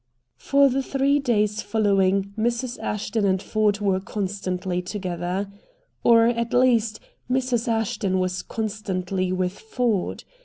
For the three days following Mrs. Ashton and Ford were constantly together. Or, at least, Mrs. Ashton was constantly with Ford.